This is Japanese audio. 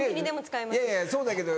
いやいやそうだけど。